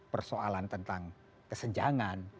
persoalan tentang kesenjangan